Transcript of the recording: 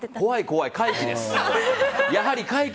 怖い、怖い。